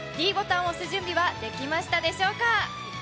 ｄボタンを押す準備はできましたでしょうか？